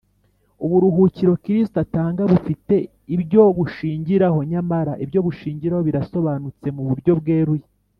uburuhukiro kristo atanga bufite ibyo bushingiraho, nyamara ibyo bushingiraho birasobanutse mu buryo bweruye